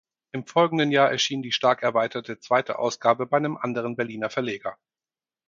Im folgenden Jahr erschien die stark erweiterte zweite Ausgabe bei einem anderen Berliner Verleger.